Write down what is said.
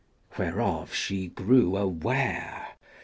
Whereof she grew aware.